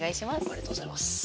ありがとうございます。